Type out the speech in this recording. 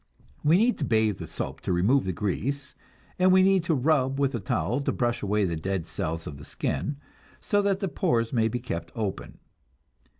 We need to bathe with soap to remove the grease, and we need to rub with a towel to brush away the dead cells of the skin, so that the pores may be kept open.